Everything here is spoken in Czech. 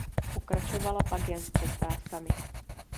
Pokračovala pak jen s přestávkami.